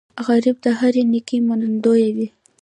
غریب د هرې نیکۍ منندوی وي